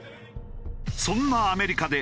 そんなアメリカで